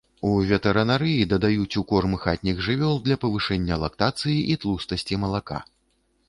У ветэрынарыі дадаюць у корм хатніх жывёл для павышэння лактацыі і тлустасці малака.